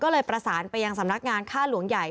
ก็เลยประสานไปยังสำนักงานค่าหลวงใหญ่